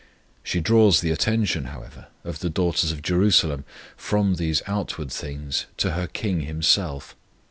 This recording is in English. She draws the attention, however, of the daughters of Jerusalem from these outward things to her KING Himself.